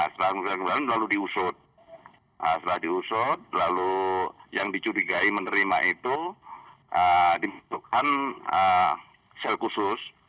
setelah diusut lalu yang dicubigai menerima itu dibutuhkan sel khusus